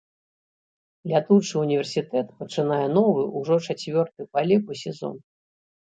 Лятучы ўніверсітэт пачынае новы, ужо чацвёрты па ліку сезон.